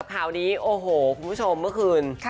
ข่าวนี้โอ้โหคุณผู้ชมเมื่อคืน